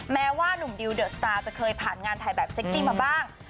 แม้ว่านุ่มดิวเดอะสตาร์จะเคยผ่านงานถ่ายแบบเซ็กซี่มาบ้าง